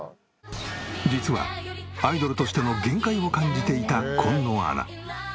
実はアイドルとしての限界を感じていた紺野アナ。